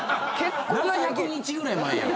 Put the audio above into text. ７００日ぐらい前やん。